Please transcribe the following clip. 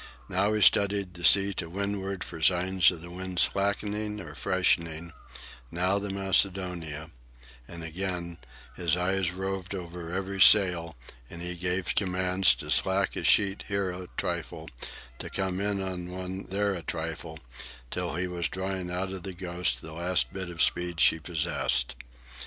Now he studied the sea to windward for signs of the wind slackening or freshening, now the Macedonia; and again, his eyes roved over every sail, and he gave commands to slack a sheet here a trifle, to come in on one there a trifle, till he was drawing out of the Ghost the last bit of speed she possessed.